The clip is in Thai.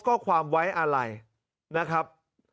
ข้อความไว้อะไรนะครับ